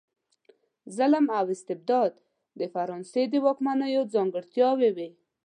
ظلم او استبداد د فرانسې د واکمنیو ځانګړتیاوې وې.